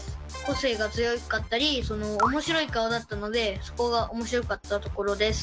個性が強かったり面白い顔だったのでそこが面白かったところです。